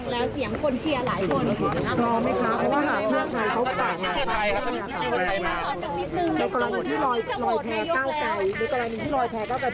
เมื่อเช้าก็ยิ้มตอนนี้ยิ้มกันอย่างเดี่ยวเลยรึคะ